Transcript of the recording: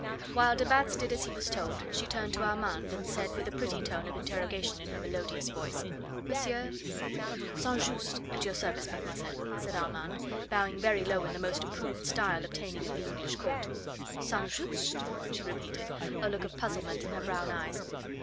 While de Batz did as he was told, she turned to Armand and said with a pretty tone of interrogation in her melodious voice: "Monsieur?" "St. Just, at your service, mademoiselle," said Armand, bowing very low in the most approved style obtaining at the English Court. "St. Just?" she repeated, a look of puzzlement in her brown eyes.